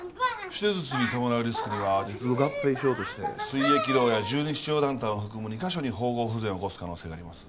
手術に伴うリスクには術後合併症として膵液や十二指腸断端を含む２か所に縫合不全を起こす可能性があります。